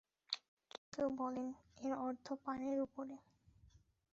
কেউ কেউ বলেন, এর অর্থ পানির উপরে।